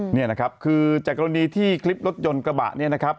นี่นะครับคือจากกรณีที่คลิปรถยนต์กระบะเนี่ยนะครับ